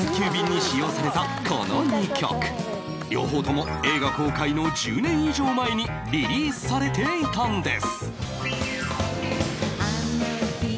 両方とも映画公開の１０年以上前にリリースされていたんです